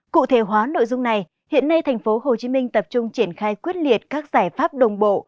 cụ thể hóa nội dung này hiện nay tp hcm tập trung triển khai quyết liệt các giải pháp đồng bộ